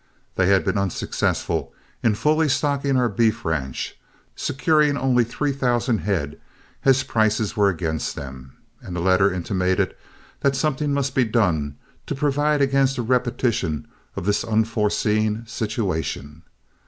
They had been unsuccessful in fully stocking our beef ranch, securing only three thousand head, as prices were against them, and the letter intimated that something must be done to provide against a repetition of this unforeseen situation.